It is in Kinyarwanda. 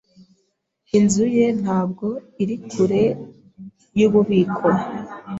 Inzu ye ntabwo iri kure yububiko.